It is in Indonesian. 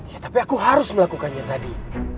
ya tapi aku harus melakukannya tadi